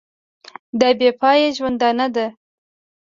دا بې پایه ژوندانه ده.